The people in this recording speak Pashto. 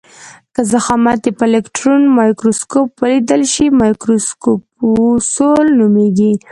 که ضخامت یې په الکټرون مایکروسکوپ ولیدل شي مایکروکپسول نومیږي.